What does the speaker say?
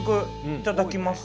いただきます。